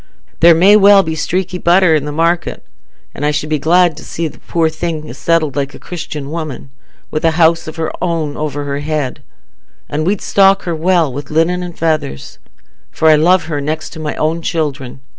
There may well be streaky butter i' the market. An' I should be glad to see the poor thing settled like a Christian woman, with a house of her own over her head; and we'd stock her well wi' linen and feathers, for I love her next to my own children.